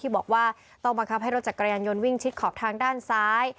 บอกว่าต้องบังคับให้รถจักรยานยนต์วิ่งชิดขอบทางด้านซ้าย